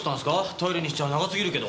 トイレにしちゃ長すぎるけど。